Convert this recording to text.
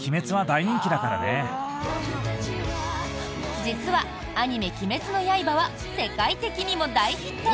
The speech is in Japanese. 実は、アニメ「鬼滅の刃」は世界的にも大ヒット。